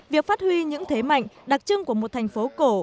việc phát huy những thế mạnh đặc trưng của một thành phố cổ